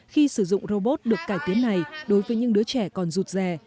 khi sử dụng robot được cải tiến này đối với những đứa trẻ còn rụt rè